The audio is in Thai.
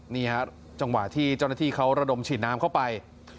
นี่ฮะจังหวะที่เจ้าหน้าที่เขาระดมฉีดน้ำเข้าไป